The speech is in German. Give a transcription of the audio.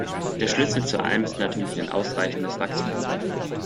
Der Schlüssel zu allem ist natürlich ein ausreichendes Wachstum.